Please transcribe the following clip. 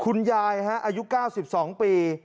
คุณยายอายุ๙๒ปี